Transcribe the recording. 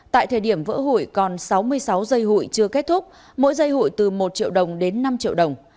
tại thời điểm vỡ hội còn sáu mươi sáu giây hội chưa kết thúc mỗi giây hội từ một triệu đồng đến năm triệu đồng